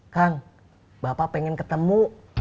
kang bapak pengen ketemu